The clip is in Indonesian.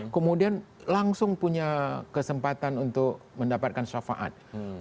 kemudian langsung punya kesempatan untuk mendapatkan syafaat